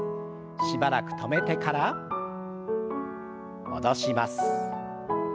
しばらく止めてから戻します。